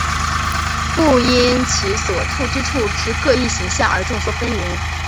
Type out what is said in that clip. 故因其所处之各异形象而众说纷纭。